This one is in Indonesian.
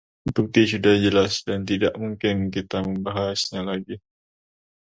bukti sudah jelas dan tidak mungkin kita membahasnya lagi